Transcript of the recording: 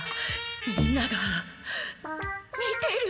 みんなが見てる。